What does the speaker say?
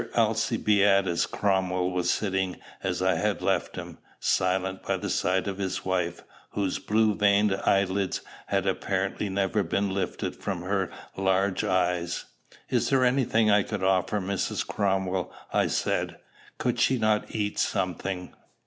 Alcibiades Cromwell was sitting as I had left him, silent, by the side of his wife, whose blue veined eyelids had apparently never been lifted from her large eyes. "Is there any thing I could offer Mrs. Cromwell?" I said. "Could she not eat something?"